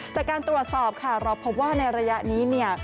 จากการตรวจสอบค่ะรอบพบว่าในระยะนี้